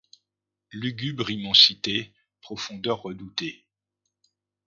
Lugubre immensité ! profondeurs redoutées !